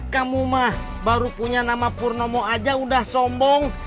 kamu mah baru punya nama purnomo aja udah sombong